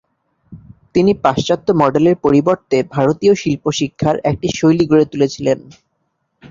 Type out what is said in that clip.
তিনি পাশ্চাত্য মডেলের পরিবর্তে ভারতীয় শিল্প শিক্ষার একটি শৈলী গড়ে তুলেছিলেন।